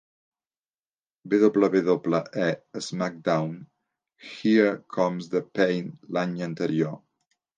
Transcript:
WWE SmackDown! Here Comes the Pain l'any anterior.